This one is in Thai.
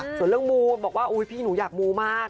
ส่วนเรื่องมูบอกว่าอุ๊ยพี่หนูอยากมูมาก